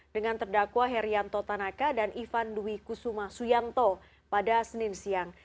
dengan terdakwa herianto tanaka dan ivan dwi kusuma suyanto pada senin siang